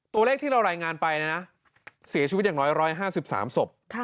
ตัวเลขที่เรารายงานไปนะเสียชีวิตอย่างน้อย๑๕๓ศพ